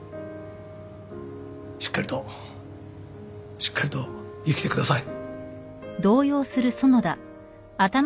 しっかりとしっかりと生きてください。